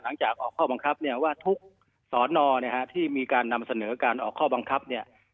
หลังจากออกข้อบังคับเนี่ยว่าทุกสอนอที่มีการนำเสนอการออกข้อบังคับเนี่ย